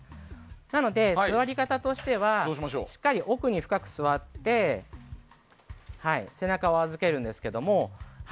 なので、座り方としてはしっかり奥に深く座って背中を預けるんですけれども。